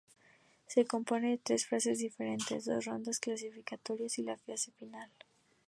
Se compone de tres fases diferentes: dos rondas clasificatorias y la fase final.